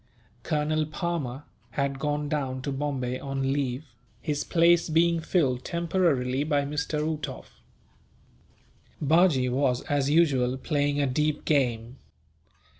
Colonel Palmer had gone down to Bombay on leave, his place being filled temporarily by Mr. Uhtoff. Bajee was, as usual, playing a deep game.